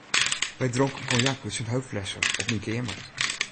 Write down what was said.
We dronken konjak út syn heupflesse op myn keamer.